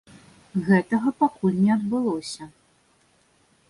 Гэтага пакуль не адбылося.